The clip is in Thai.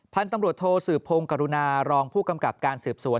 พันธุ์ตำรวจโทสืบพงศ์กรุณารองผู้กำกับการสืบสวน